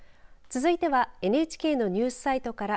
続いてはＮＨＫのニュースサイトから